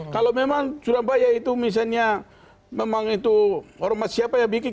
kalau memang surabaya itu misalnya memang itu ormas siapa yang bikin